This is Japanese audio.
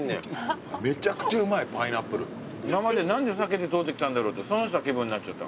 今まで何で避けて通ってきたんだろうって損した気分になっちゃった。